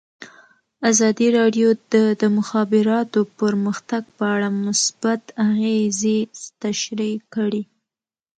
ازادي راډیو د د مخابراتو پرمختګ په اړه مثبت اغېزې تشریح کړي.